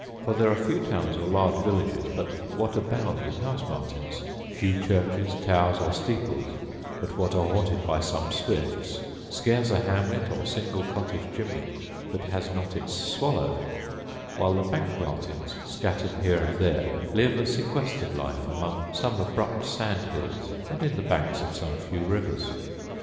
For there are few towns or large villages but what abound with house martins; few churches, towers, or steeples, but what are haunted by some swifts; scarce a hamlet or single cottage chimney that has not its swallow; while the bank martins, scattered here and there, live a sequestered life among some abrupt sand hills, and in the banks of some few rivers.